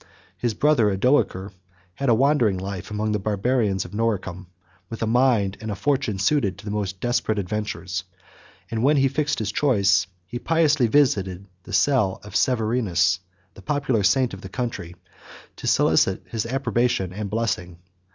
His brother Odoacer led a wandering life among the Barbarians of Noricum, with a mind and a fortune suited to the most desperate adventures; and when he had fixed his choice, he piously visited the cell of Severinus, the popular saint of the country, to solicit his approbation and blessing.